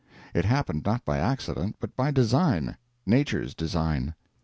It happened not by accident, but by design Nature's design.